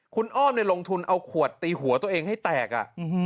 คุณอ้อมลงทุนเอาขวดตีหัวตัวเองให้แตก